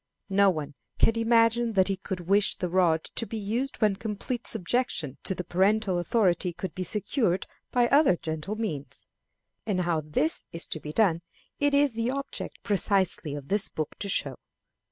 No one can imagine that he could wish the rod to be used when complete subjection to the parental authority could be secured by more gentle means. And how this is to be done it is the object precisely of this book to show.